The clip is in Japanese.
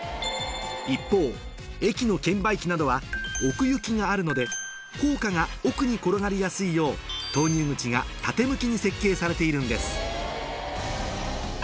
一方駅の券売機などは奥行きがあるので硬貨が奥に転がりやすいよう投入口が縦向きに設計されているんです